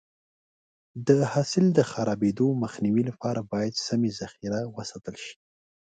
د حاصل د خرابېدو مخنیوي لپاره باید سمې ذخیره وساتل شي.